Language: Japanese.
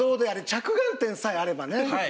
着眼点さえあればね。